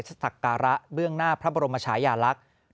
สักธรรมเคละเบื้องหน้าพระบรมมชายอยาลักษณ์นอก